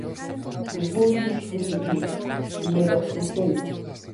Pois voullos repetir, señora Uceira.